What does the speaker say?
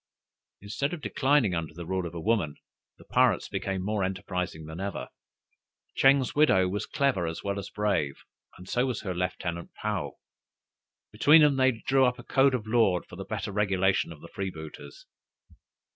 Instead of declining under the rule of a woman, the pirates became more enterprising than ever. Ching's widow was clever as well as brave, and so was her lieutenant Paou. Between them they drew up a code of law for the better regulation of the freebooters.